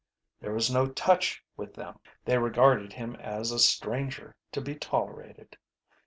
There was no touch with them. They regarded him as a stranger to be tolerated.